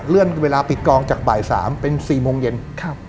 เลื่อนเวลาปิดกองจากบ่ายสามเป็นสี่โมงเย็นครับ